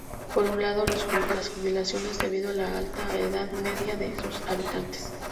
Por un lado las jubilaciones, debido a la alta edad media de sus habitantes.